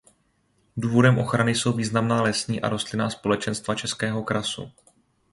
Důvodem ochrany jsou významná lesní a rostlinná společenstva Českého krasu.